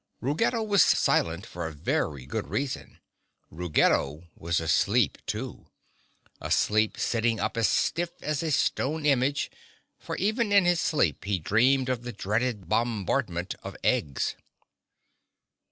Ruggedo was silent for a very good reason. Ruggedo was asleep, too—asleep sitting up as stiff as a stone image, for even in his sleep he dreamed of the dreaded bombardment of eggs.